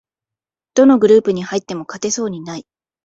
どのグループに入っても勝てそうにない